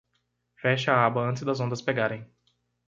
Feche a aba antes das ondas pegarem.